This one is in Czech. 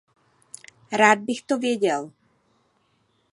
Rád bych to věděl.